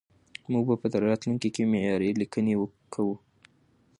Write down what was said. موږ به په راتلونکي کې معياري ليکنې کوو.